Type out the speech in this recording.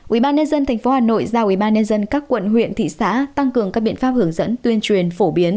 ubnd tp hà nội giao ubnd các quận huyện thị xã tăng cường các biện pháp hướng dẫn tuyên truyền phổ biến